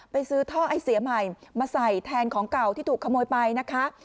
ไปซื้อท่อไอเสียใหม่มาใส่แทนของเก่าที่ถูกขโมยไปนะคะ